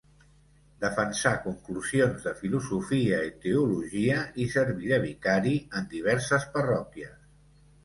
Defensà conclusions de filosofia i teologia i serví de vicari en diverses parròquies.